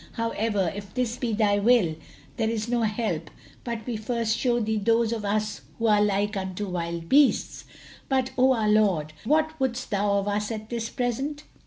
However, if this be thy will, there is no help but we first show thee those of us who are like unto wild beasts. But, O our lord, what wouldst thou of us at this present?"